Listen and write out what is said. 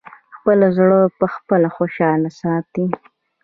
خپل زړه پخپله خوشاله ساتی!